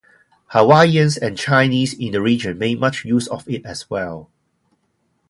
Hawaiians and Chinese in the region made much use of it as well.